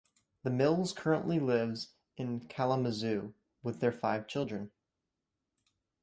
The Mills currently lives in Kalamazoo with their five children.